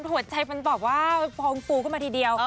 หัวใจมันบอกว่าพองปูก็มาทีเดียว